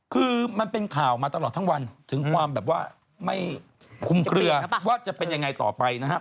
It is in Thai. คือมันเป็นข่าวมาตลอดทั้งวันถึงความแบบว่าไม่คุมเคลือว่าจะเป็นยังไงต่อไปนะฮะ